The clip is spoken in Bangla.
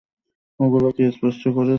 ওগুলো কী স্পর্শ করছে?